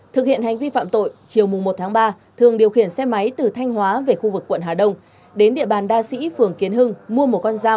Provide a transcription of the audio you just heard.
thực hiện hành vi phạm tội chiều mùng một tháng ba thường điều khiển xe máy từ thanh hóa về khu vực quận hà đông